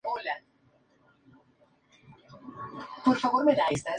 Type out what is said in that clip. A temprana edad, fue adoptado por un granjero de Manitoba, Canadá, recibiendo maltrato.